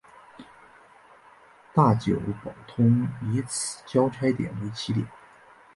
大久保通以此交差点为起点。